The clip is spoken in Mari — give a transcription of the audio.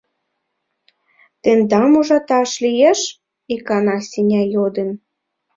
— Тендам ужаташ лиеш? — икана Сеня йодын.